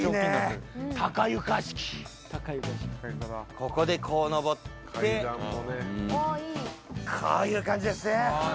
ここでこう上って、こういう感じですね。